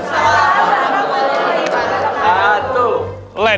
waalaikumsalam warahmatullahi wabarakatuh